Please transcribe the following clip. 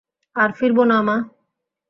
আর ফিরব না মা।